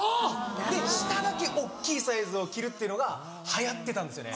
で下だけ大っきいサイズを着るっていうのが流行ってたんですよね。